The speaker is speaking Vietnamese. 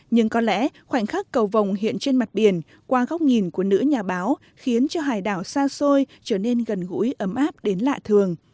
nhưng có lẽ khoảnh khắc cầu hiện trên mặt biển qua góc nhìn của nữ nhà báo khiến cho hải đảo xa xôi trở nên gần gũi ấm áp đến lạ thường